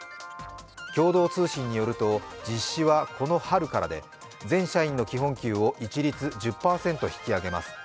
共同通信によると実施はこの春からで全社員の基本給を一律１０％引き上げます。